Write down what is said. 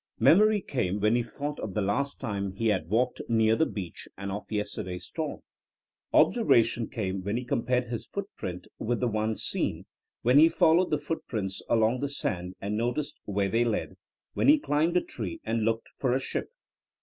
Memory came when he thought of the last time he had walked near the beach and of yesterday's storm. Observation came when he compared his foot print with the one seen, when he followed the footprints along the sand and noticed where they led, when he climbed a tree and looked for a ship.